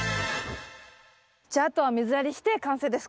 じゃああとは水やりして完成ですか？